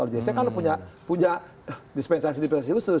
jaksa kan punya dispensasi dispensasi khusus